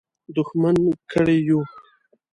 دښمن کړي یو.